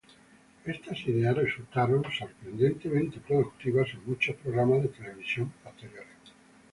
Estas ideas resultaron sorprendentemente productivas en muchos programas de televisión posteriores.